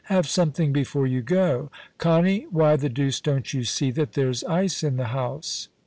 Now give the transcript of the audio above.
Have something before you go. Connie, why the deuce don't you see that there's ice in the house